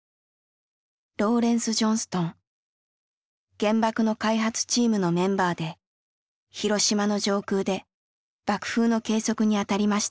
原爆の開発チームのメンバーで広島の上空で爆風の計測に当たりました。